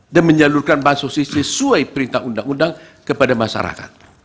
dan menyalurkan bansos ini sesuai perintah undang undang kepada masyarakat